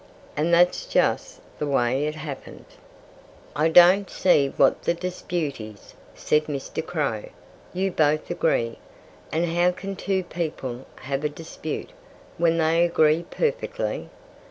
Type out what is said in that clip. And that's just the way it happened! "I don't see what the dispute is," said Mr. Crow. "You both agree. And how can two people have a dispute, when they agree perfectly?